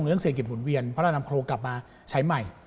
เรื่องเศรษฐกิจหมุนเวียนเพราะเรานำโครงกลับมาใช้ใหม่